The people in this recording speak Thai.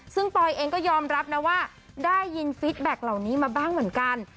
ซึ่งปอยเองก็ยอมรับนะว่าได้ยินฟิตแบ็คเหล่านี้มาบ้างเหมือนกัน